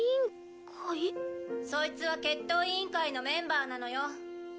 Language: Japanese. そいつは決闘委員会のメンバーなのよ。